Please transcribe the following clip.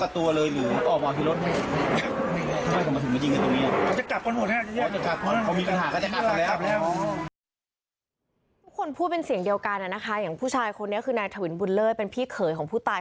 ทุกคนพูดเป็นเสียงเดียวกันนะคะอย่างผู้ชายคนนี้คือนายถวินบุญเลิศเป็นพี่เขยของผู้ตาย